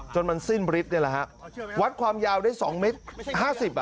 จนมันสิ้นบริษนี่แหละฮะวัดความยาวได้๒เมตร๕๐อ่ะ